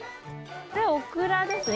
これオクラですね。